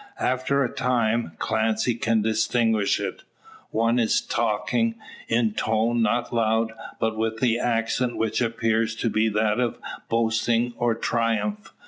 After a time, Clancy can distinguish it. One is talking, in tone not loud, but with an accent which appears to be that of boasting or triumph.